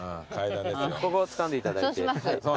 ここつかんでいただいて。